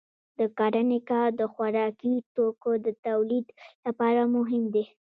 د کرنې کار د خوراکي توکو د تولید لپاره مهم دی.